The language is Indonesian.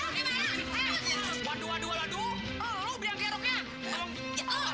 cobot aja aku mandi gua